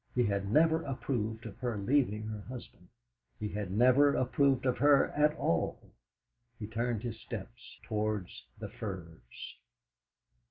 He had never approved of her leaving her husband; he had never approved of her at all! He turned his steps towards the Firs.